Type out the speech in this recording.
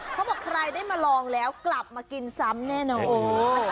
เขาบอกใครได้มาลองแล้วกลับมากินซ้ำแน่นอน